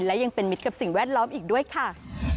และยังเป็นมิตรกับสิ่งแวดล้อมอีกด้วยค่ะ